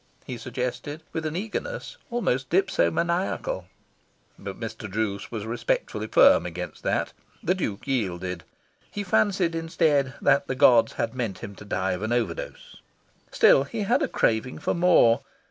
he suggested, with an eagerness almost dipsomaniacal. But Mr. Druce was respectfully firm against that. The Duke yielded. He fancied, indeed, that the gods had meant him to die of an overdose. Still, he had a craving for more.